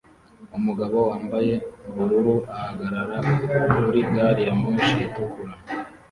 Umugabo wambaye ubururu ahagarara kuri gari ya moshi itukura